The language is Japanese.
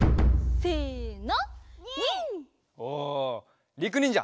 せの。